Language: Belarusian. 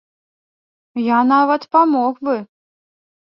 Я нават памог бы.